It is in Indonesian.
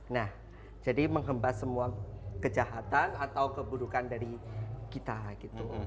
nah jadi menghembas semua kejahatan atau keburukan dari kita gitu